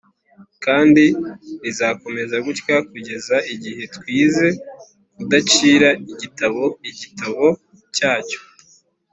kandi rizakomeza gutya kugeza igihe twize kudacira igitabo igitabo cyacyo.”